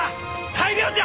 大漁じゃ！